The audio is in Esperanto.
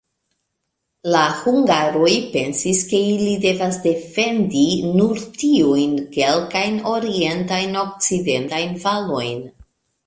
La hungaroj pensis, ke ili devas defendi nur tiujn kelkajn orientajn-okcidentajn valojn.